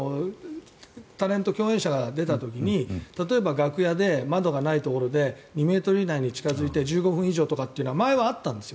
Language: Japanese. タレント、共演者が出た時に例えば楽屋で窓がないところで２ｍ以内に近付いて１５分以上とかっていうのは前はあったんです。